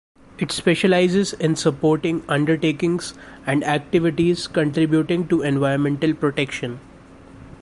It specializes in supporting undertakings and activities contributing to environmental protection.